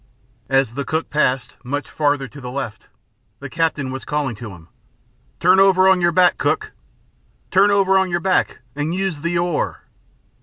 As the cook passed, much farther to the left, the captain was calling to him, "Turn over on your back, cook! Turn over on your back and use the oar."